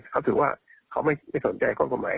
เขาถือว่าเขาไม่สนใจคนกฎหมาย